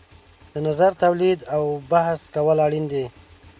د نظر تولید او بحث کول اړین دي.